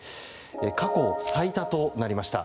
過去最多となりました。